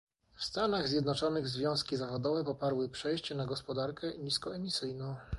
W Stanach Zjednoczonych związki zawodowe poparły przejście na gospodarkę niskoemisyjną